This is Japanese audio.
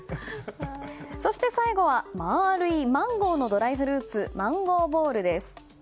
そして最後は丸いマンゴーのドライフルーツマンゴーボールです。